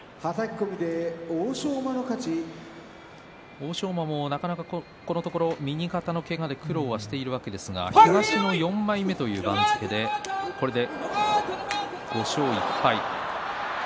欧勝馬も、なかなかこのところ右肩のけがで苦労しているわけですが東の４枚目という番付でこれで５勝１敗です。